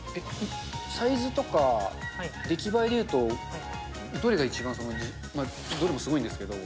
サイズとか、出来栄えでいうと、どれが一番、どれもすごいんです